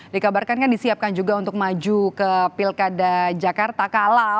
dikabarkan kan disiapkan juga untuk maju ke pilkada jakarta kalah